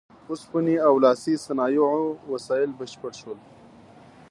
اوسپنې او لاسي صنایعو وسایل بشپړ شول.